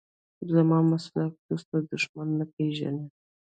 زما مسلک دوست او دښمن نه پېژني.